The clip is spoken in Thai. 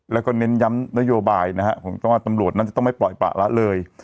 แล้วก็เน้นย้ำนโยบายนะฮะของเจ้าว่าตำรวจนั้นจะต้องไม่ปล่อยปะละเลย